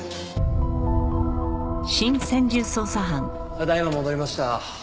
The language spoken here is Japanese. ただいま戻りました。